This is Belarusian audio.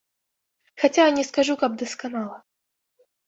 Хаця не скажу, каб дасканала.